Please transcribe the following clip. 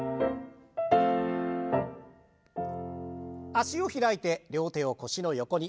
脚を開いて両手を腰の横に。